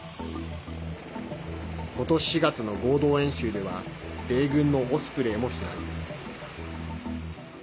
今年４月の合同演習では米軍のオスプレイも飛来。